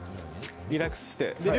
リラックスして。